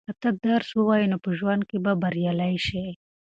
که ته درس ووایې نو په ژوند کې به بریالی شې.